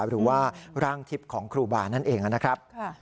หรือว่าร่างทิพย์ของครูบานั่นเองนะครับ